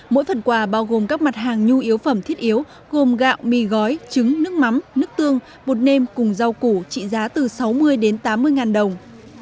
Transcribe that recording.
mỗi phần quà bao gồm các mặt hàng nhu yếu phẩm thiết yếu gồm gạo mì gói trứng nước mắm nước tương bột nêm cùng rau củ trị giá từ sáu mươi đến tám mươi ngàn đồng